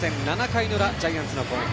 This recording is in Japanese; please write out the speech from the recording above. ７回の裏、ジャイアンツの攻撃。